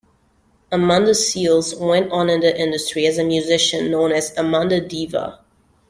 Amanda Seales went on in the industry as a musician known as Amanda Diva.